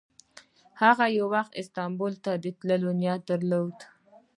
هغه یو وخت استانبول ته د تللو نیت درلود.